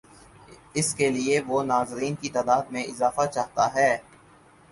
اس کے لیے وہ ناظرین کی تعداد میں اضافہ چاہتا ہے۔